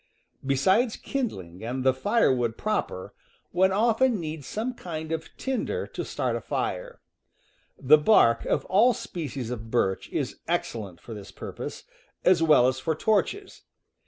Besides kindling and the firewood proper, one often needs some kind of tinder to start a fire. The bark of ... all species of birch is excellent for this purpose, as well as for torches.